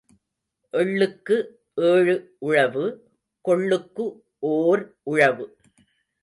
எள்ளுக்கு ஏழு உழவு, கொள்ளுக்கு ஓர் உழவு.